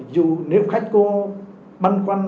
dù nếu khách có băn quanh